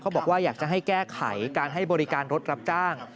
บอกว่าอยากจะให้แก้ไขการให้บริการรถรับจ้าง